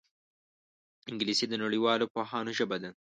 انګلیسي د نړیوالو پوهانو ژبه ده